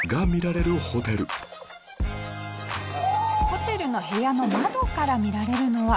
ホテルの部屋の窓から見られるのは。